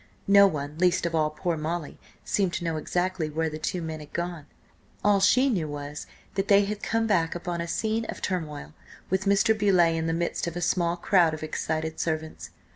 No one, least of all poor Molly, seemed to know exactly where the two men had gone. All she knew was that they had come back upon a scene of turmoil, with Mr. Beauleigh in the midst of a small crowd of excited servants.